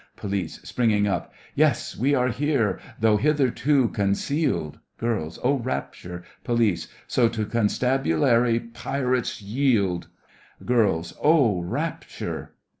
POLICE: (springing up) Yes, we are here, though hitherto concealed! GIRLS: Oh, rapture! POLICE: So to Constabulary, pirates yield! GIRLS: Oh, rapture!